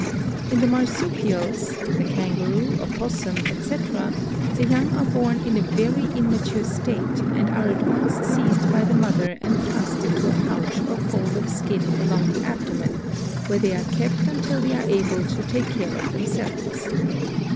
In the Marsupials — the kangaroo, opossum, etc. — the young are born in a very immature state and are at once seized by the mother and thrust into a pouch or fold of skin along the abdomen, where they are kept until they are able to take care of themselves.